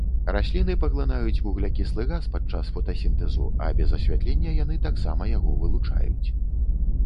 Расліны паглынаюць вуглякіслы газ падчас фотасінтэзу, а без асвятлення яны таксама яго вылучаюць.